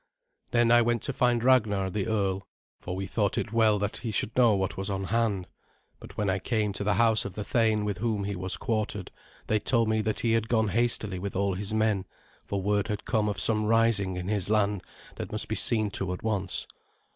Then I went to find Ragnar the earl, for we thought it well that he should know what was on hand. But when I came to the house of the thane with whom he was quartered, they told me that he had gone hastily with all his men, for word had come of some rising in his land that must be seen to at once.